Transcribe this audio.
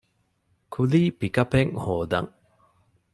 ކުލީ ޕިކަޕެއް ހޯދަން